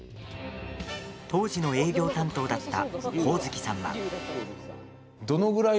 当時の営業担当だった上月さんは。